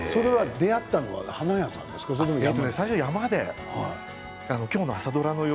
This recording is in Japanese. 出会ったのは花屋さんだったんですか？